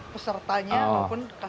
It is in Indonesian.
pesertanya maupun customer nya